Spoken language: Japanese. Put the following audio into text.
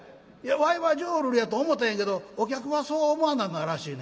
「わいは浄瑠璃やと思ったんやけどお客はそう思わなんだらしい。